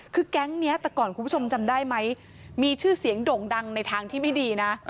คือแก๊งนี้แต่ก่อนคุณผู้ชมจำได้ไหมมีชื่อเสียงโด่งดังในทางที่ไม่ดีนะ